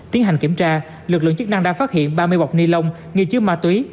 tiến hành kiểm tra lực lượng chức năng đã phát hiện ba mươi bọc ni lông nghi chứa ma túy